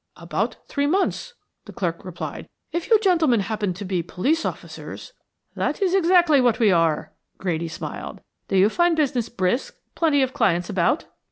"About three months," the clerk replied. "If you gentlemen happen to be police officers " "That is exactly what we are," Grady smiled. "Do you find business brisk plenty of clients about?"